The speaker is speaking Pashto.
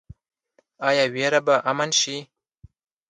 آیا ویره به امن شي؟